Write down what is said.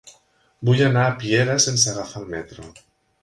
Vull anar a Piera sense agafar el metro.